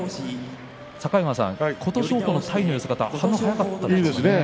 境川さん、琴勝峰の体の寄せ方よかったですね。